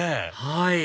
はい